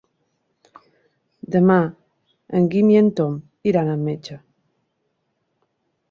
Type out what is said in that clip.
Demà en Guim i en Tom iran al metge.